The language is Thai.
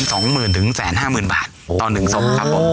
ต่อหนึ่งสวบครับผม